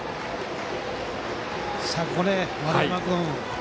ここ、丸山君